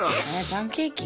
パンケーキ？